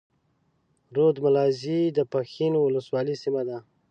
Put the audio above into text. رود ملازۍ د پښين اولسوالۍ سيمه ده.